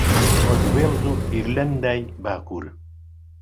وەک وێڵز و ئێرلەندای باکوور